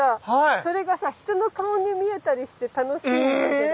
それがさ人の顔に見えたりして楽しいんだけど。